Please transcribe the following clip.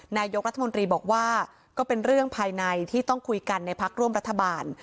นายกรัฐมนตรีบอกว่าก็เป็นเรื่องภายในที่ต้องคุยกันในพักร่วมรัฐบาล